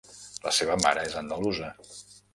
La seva mare és andalusa.